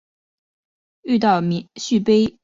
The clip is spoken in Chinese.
遇到续杯免费